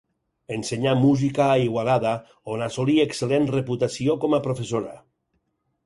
Ensenyà música a Igualada, on assolí excel·lent reputació com a professora.